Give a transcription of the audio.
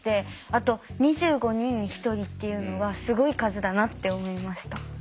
あと２５人に１人っていうのはすごい数だなって思いました。